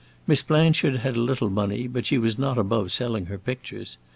Miss Blanchard had a little money, but she was not above selling her pictures.